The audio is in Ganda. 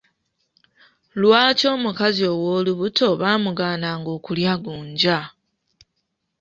Lwaki omukazi ow'olubuto baamugaananga okulya gonja?